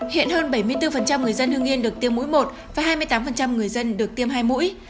hiện hơn bảy mươi bốn người dân hương yên được tiêm mũi một và hai mươi tám người dân được tiêm hai mũi